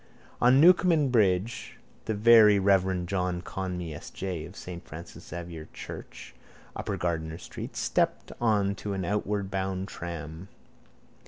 On Newcomen bridge the very reverend John Conmee S. J. of saint Francis Xavier's church, upper Gardiner street, stepped on to an outward bound tram.